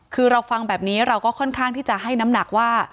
คือเราฟังแบบนี้เราก็ค่อนข้างที่จะให้น้ำหนักว่า